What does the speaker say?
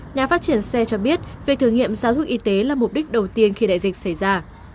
nhà phát triển xe cho biết việc thử nghiệm giáo hướng y tế là mục đích đầu tiên khi đại dịch xảy ra